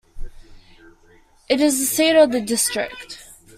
It is the seat of the district.